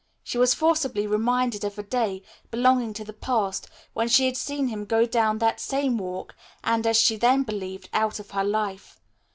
She was forcibly reminded of a day, belonging to the past, when she had seen him go down that same walk, and, as she then believed, out of her life.